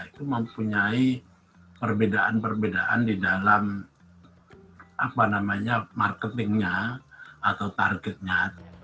itu mempunyai perbedaan perbedaan di dalam marketingnya atau targetnya